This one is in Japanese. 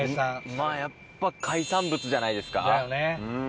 まぁやっぱ海産物じゃないですか。